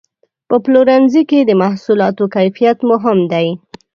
په پلورنځي کې د محصولاتو کیفیت مهم دی.